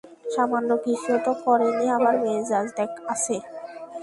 সামান্য কিছুও তো করেনি আবার মেজাজ আছে।